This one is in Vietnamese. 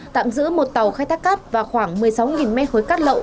tạm giữ một tàu khai thác cát và khoảng một mươi sáu mét khối cát lậu